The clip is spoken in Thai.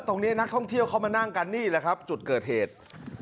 ตรงนี้นักท่องเที่ยวเข้ามานั่งกันนี่แหละครับจุดเกิดเหตุ